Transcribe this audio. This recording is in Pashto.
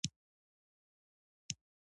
چې زه نور سترګې پرې نه شم پټولی.